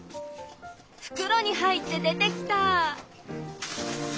ふくろに入って出てきた！